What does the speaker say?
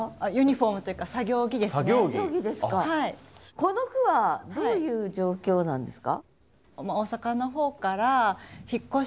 この句はどういう状況なんですか？